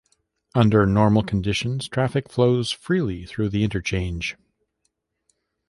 Under normal conditions, traffic flows freely through the interchange.